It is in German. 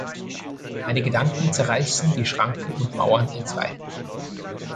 Meine Gedanken zerreißen die Schranken und Mauern entzwei.